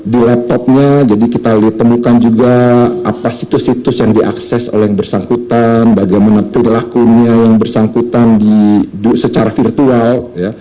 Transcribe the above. di laptopnya jadi kita ditemukan juga situs situs yang diakses oleh yang bersangkutan bagaimana perilakunya yang bersangkutan secara virtual ya